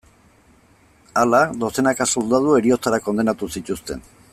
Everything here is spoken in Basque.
Hala, dozenaka soldadu heriotzara kondenatu zituzten.